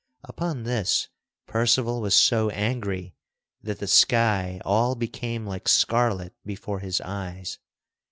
Upon this Percival was so angry that the sky all became like scarlet before his eyes.